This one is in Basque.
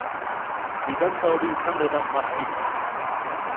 Fidantza hori izango da marjina.